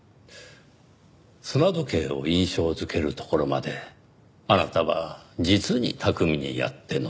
砂時計を印象づけるところまであなたは実に巧みにやってのけた。